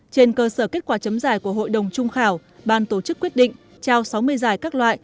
trên cơ sở kết quả chấm giải của hội đồng trung khảo ban tổ chức quyết định trao sáu mươi giải các loại